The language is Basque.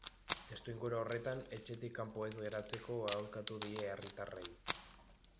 Testuinguru horretan, etxetik kanpo ez geratzeko aholkatu die herritarrei.